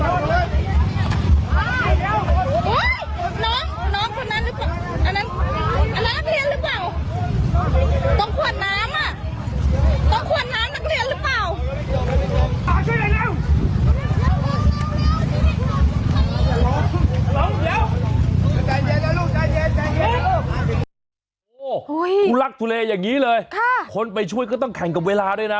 โอ้โหทุลักทุเลอย่างนี้เลยคนไปช่วยก็ต้องแข่งกับเวลาด้วยนะ